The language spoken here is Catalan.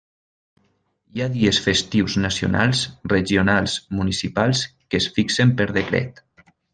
Hi ha dies festius nacionals, regionals, municipals que es fixen per decret.